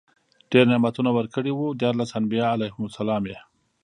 ډير نعمتونه ورکړي وو، ديارلس انبياء عليهم السلام ئي